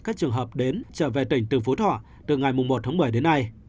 các trường hợp đến trở về tỉnh từ phú thọ từ ngày một tháng một mươi đến nay